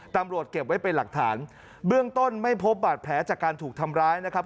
ตำรวจเก็บไว้เป็นหลักฐานเบื้องต้นไม่พบบาดแผลจากการถูกทำร้ายนะครับ